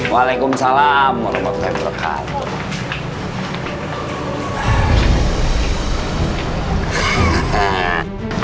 waalaikumsalam warahmatullahi wabarakatuh